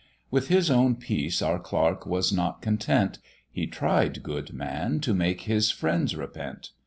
With his own peace our Clerk was not content; He tried, good man! to make his friends repent.